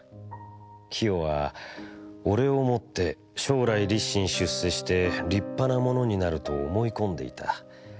清はおれをもって将来立身出世して立派なものになると思い込んでいた。